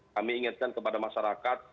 kami ingatkan kepada masyarakat